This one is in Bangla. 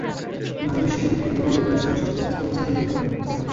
নারী ও শিশুদেরকে দূর্গ সদৃশ স্থানে স্থানে স্থানান্তর করা হতে থাকে।